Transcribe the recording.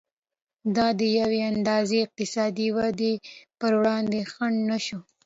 دا د یوې اندازې اقتصادي ودې پر وړاندې خنډ نه شو.